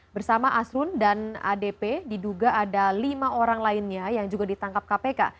bersama asrun dan adp diduga ada lima orang lainnya yang juga ditangkap kpk